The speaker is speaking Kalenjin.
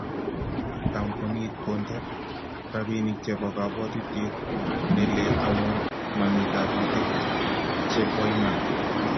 Maiyan kampunit konte robinik chebo kabwotutiet ne lel amu mamii tetutik che bo iman.